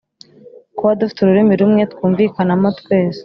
Kuba dufite ururimi rumwe twumvikanamo twese